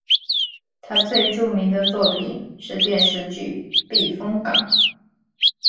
他最著名的作品是电视剧避风港。